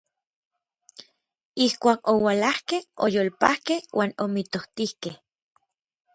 Ijkuak oualakej, oyolpakej uan omijtotijkej.